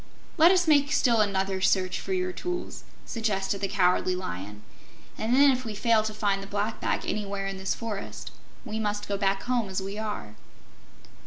"Let us make still another search for your tools," suggested the Cowardly Lion, "and then, if we fail to find the Black Bag anywhere in this forest, we must go back home as we are."